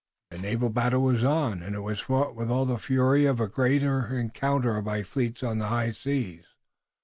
The naval battle was on, and it was fought with all the fury of a great encounter by fleets on the high seas.